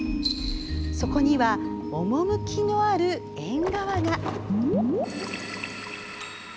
そこには、趣のある縁側が。